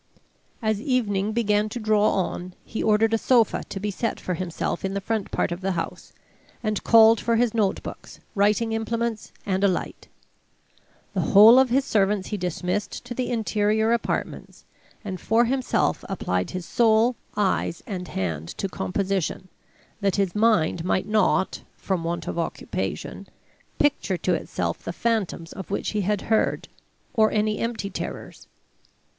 As evening began to draw on, he ordered a sofa to be set for himself in the front part of the house, and called for his notebooks, writing implements, and a light. The whole of his servants he dismissed to the interior apartments, and for himself applied his soul, eyes, and hand to composition, that his mind might not, from want of occupation, picture to itself the phantoms of which he had heard, or any empty terrors.